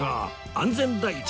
安全第一！